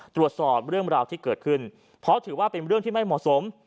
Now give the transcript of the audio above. ตรวจสอบเรื่องราวที่เกิดขึ้นเพราะถือว่าเป็นเรื่องที่ไม่เหมาะสม